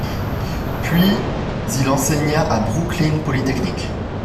Puis il enseigna à Brooklyn Polytechnic.